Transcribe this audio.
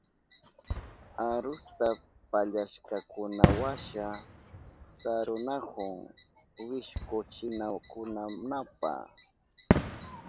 Arusta pallashkankunawasha sarunahun wishkuchinankunapa.